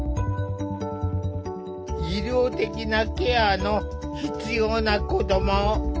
医療的なケアの必要な子ども。